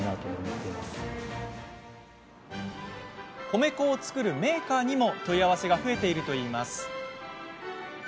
米粉を作るメーカーにも問い合わせが増えているといいます。